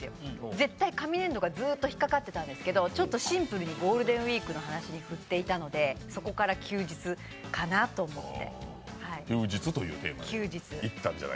絶対、紙ねんどがずっとひっかってたんですけどちょっとシンプルにゴールデンウイークの話に寄っていたのでそこから休日かなと思って。